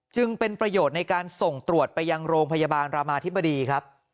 จึงเป็นประโยชน์ในการส่งตรวจไปยังโรงพยาบาลรามาธิบดีครับ